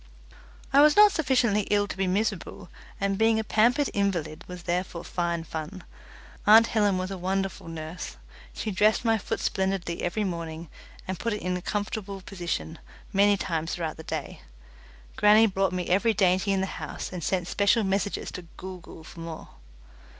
I was not sufficiently ill to be miserable, and being a pampered invalid was therefore fine fun. Aunt Helen was a wonderful nurse. She dressed my foot splendidly every morning, and put it in a comfortable position many times throughout the day. Grannie brought me every dainty in the house, and sent special messengers to Gool Gool for more.